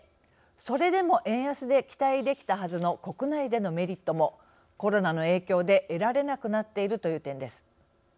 それでも円安で期待できたはずの国内でのメリットもコロナの影響で得られなくなっているという点です。